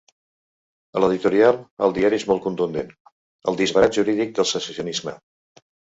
A l’editorial, el diari és molt contundent: El disbarat jurídic del secessionisme.